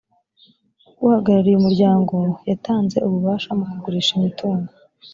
uhagarariye umuryango yatanze ububasha mu kugurisha imitungo